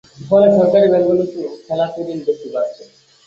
ফলে সরকারি ব্যাংকগুলোতে খেলাপি ঋণ বেশি বাড়ছে।